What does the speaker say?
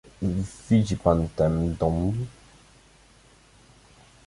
"Widzi pan ten dom?"